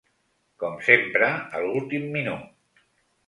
Com sempre a l’últim minut!